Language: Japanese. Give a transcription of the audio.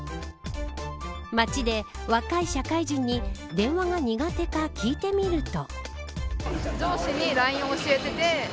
街で若い社会人に電話が苦手か聞いてみると。